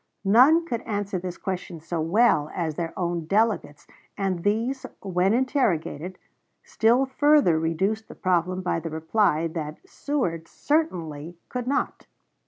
None could answer this question so well as their own delegates, and these, when interrogated, still further reduced the problem by the reply that Seward certainly could not.